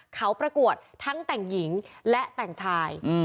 เขาประกวดทั้งแต่งหญิงและแต่งชาย